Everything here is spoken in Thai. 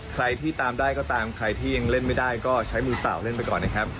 ใครที่ตามได้ก็ตามใครที่ยังเล่นไม่ได้ก็ใช้มือเปล่าเล่นไปก่อนนะครับ